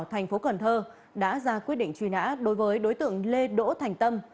thành phố cần thơ đã ra quyết định truy nã đối với đối tượng lê đỗ thành tâm